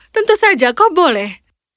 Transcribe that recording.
tentu saja kau boleh